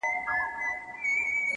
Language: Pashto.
چي ژړل به یې ویلې به یې ساندي.!